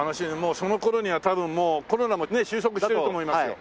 その頃には多分もうコロナもね終息してると思いますよ。